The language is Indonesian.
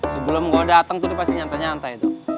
sebelum gue dateng pasti nyantai nyantai tuh